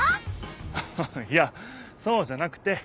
ハハハいやそうじゃなくて